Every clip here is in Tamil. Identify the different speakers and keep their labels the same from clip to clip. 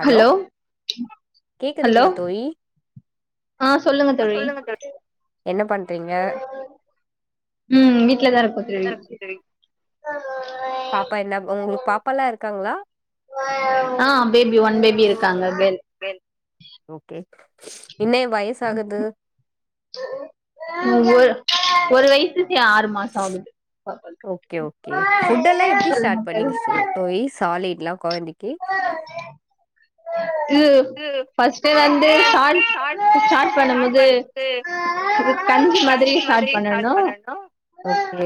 Speaker 1: ஹலோ கேக்குதுங்ளா தோழி சொல்லுங்க தோ என்ன பண்றீங்க
Speaker 2: ம் வீட்லதா இருக்கோ தோழி
Speaker 1: பாப்பா என்ன உங்குளுக்கு பாப்பால்லா இருக்காங்ளா
Speaker 2: ஆ பேபி ஒன் பேபி இருக்காங்க கேள்
Speaker 1: ஓகே என்னே வயசு ஆகுது
Speaker 2: ம் ஒரு ஒரு வயசுக்கு ஆறு மாஷோ ஆகுது
Speaker 1: ஓகே ஓகே புட்டல்லா எப்டி ஸ்டார்ட் பண்ணீங்க தோழி சாலிட்ல்லா கொழந்திக்கி
Speaker 2: து ஃபஸ்ட்டு வந்து சால்
Speaker 1: ஷாட் ஸ்டாட் பண்ணும்போது கஞ்சி மாதிரி ஸ்டார்ட் பண்ணணு ஓகே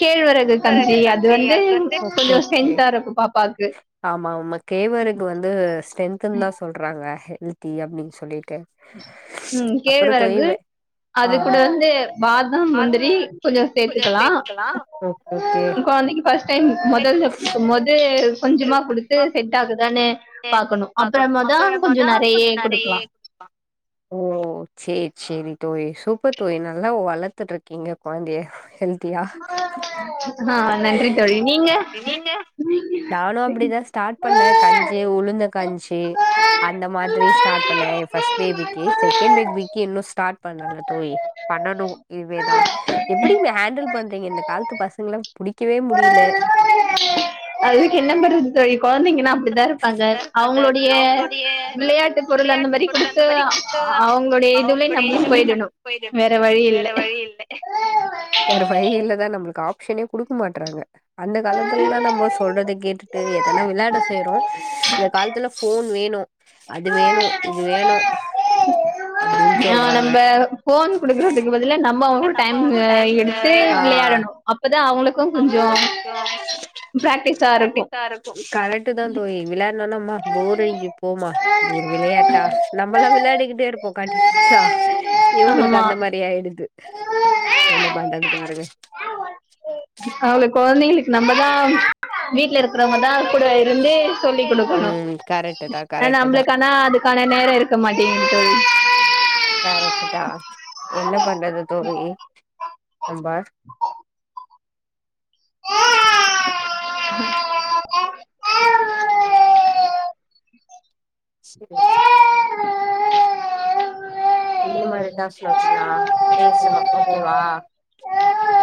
Speaker 2: கேழ்வரகு கஞ்சி அது வந்து கொஞ்சோ ஸ்ரென்தா இருக்கு பாப்பாக்கு
Speaker 1: ஆமா ஆமா கேழ்வரகு வந்து ஸ்ட்ரென்துன்தா சொல்றாங்க ஹெல்த்தி அப்டின் சொல்லிட்டு
Speaker 2: ம் கேழ்வரகு அது கூட வந்து பாதம் முந்திரி கொஞ்சோ சேத்துக்கலா
Speaker 1: ஆ ஓகே ஓகே
Speaker 2: ஃபஸ்ட் டைம் மொதல்ல குடுக்கம்போது கொஞ்சமா குடுத்து செட் ஆகுதானு பாக்கணு அப்றமாதா கொஞ்சோ நெறைய குடுக்கலா
Speaker 1: ஓ சேர் சேரி தோழி சூப்பர் தோழி நல்லா வளத்துட்டு இருக்கிங்க கொழந்தைய ஹெல்த்தியா நீங்க நானு அப்டிதா ஸ்டார்ட் பண்ணே கஞ்சி உளுந்த கஞ்சி அந்த மாதிரி ஸ்டார்ட் பண்ணே ஏ ஃபஸ்ட் பேபிக்கு செகண்ட் பேபிக்கி இன்னு ஸ்டார்ட் பண்ணல தோழி பண்ணணு இனிமேதா எப்டி ஹேண்டல் பண்றீங்க இந்த காலத்து பசங்கள புடிக்கவே முடியல
Speaker 2: அதுக்கு என்ன பண்றது தோழி கொழந்திங்கினா அப்டிதா இருப்பாங்க அவங்களுடைய விளையாட்டு பொருள் அந்த மாரி குடுத்து அவங்களுடைய இதுவுலே நம்மளு போயிடணு வேற வழி இல்ல
Speaker 1: வேற வழி இல்லதா நம்மளுக்கு ஆப்ஷனே குடுக்க மாட்றாங்க அந்த காலத்துலல்லா நம்ம சொல்றத கேட்டு ட்டு ஏதனா விளாட போயிருவோ இந்த காலத்துல போன் வேணு அது வேணு இது வேணு
Speaker 2: ஆ நம்ம போன் குடுக்குறதுக்கு பதிலா நம் ம ஒரு நம்ம டைம் எடுத்து விளையாடணு அப்பதா அவங்களுக்கு கொஞ்சோ
Speaker 1: பிராட்டிசா இருக்கு கரெட்டு தா தோழி விளானன்ன அம்மா போர் அடிக்கு போமா இது ஒரு விளையாட்டா நம்மளா விளையாடிக்கிட்டே இருப்போ கண்டி னியுசா இவங்களுக்கு அந்த மாரி ஆயிடுது என்ன பண்றது பாருங்க
Speaker 2: அவ்ள கொழந்தைகளுக்கு நம்மதா வீட்ல இருக்கறவங்க தா கூட இருந்து சொல்லி் குடுக்கணு ஆனா நம்ளுக்கானா அதுக்கான நேரோ இருக்க மாட்டேங்குது தோழி
Speaker 1: கரெட்டுதா என்ன பண்றது தோழி நம்ப இந்த மாரி டாஸ்க் வச்சின்னா பேசனு ஓகேவா